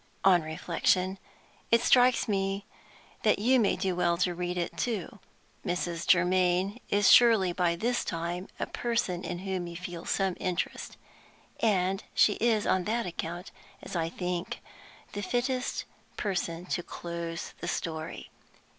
On reflection, it strikes me that you may do well to read it, too. Mrs. Germaine is surely by this time a person in whom you feel some interest. And she is on that account, as I think, the fittest person to close the story.